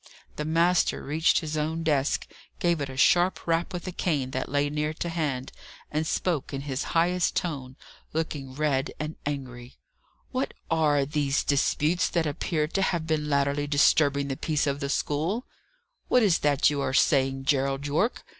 The master reached his own desk, gave it a sharp rap with a cane that lay near to hand, and spoke in his highest tone, looking red and angry. "What are these disputes that appear to have been latterly disturbing the peace of the school? What is that you are saying, Gerald Yorke?